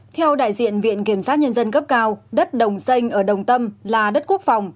theo đại diện viện kiểm sát nhân dân cấp cao đất đồng xanh ở đồng tâm là đất quốc phòng